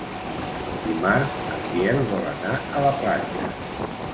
Dimarts en Biel vol anar a la platja.